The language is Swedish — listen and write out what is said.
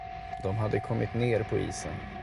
De hade kommit ned på isen.